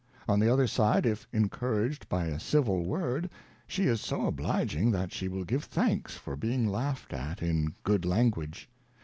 On the other side, if incouraged by a Civil Word, she is so obliging, that she will give thanks for being laughed at in good Language.